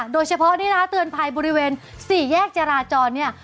โดยเฉพาะนี่นะคะเตือนภัยบริเวณสี่แยกจราจรเนี่ย